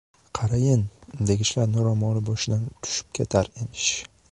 «Qarayin, degichlarni ro‘moli boshidan tushib ketar emish».